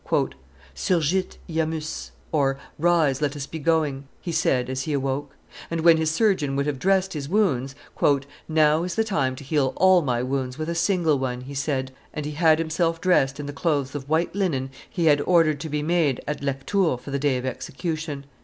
"Surgite, eamus (rise, let us be going)," he said, as he awoke; and when his surgeon would have dressed his wounds, "Now is the time to heal all my wounds with a single one," he said, and he had himself dressed in the clothes of white linen he had ordered to be made at Lectoure for the day of execution.